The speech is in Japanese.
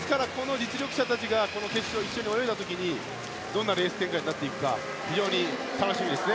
実力者たちが決勝、一緒に泳いだ時にどんなレース展開になっていくか非常に楽しみです。